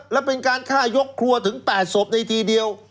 และเป็นการฆ่ายกครัวถึง๘ศพในทีเดียว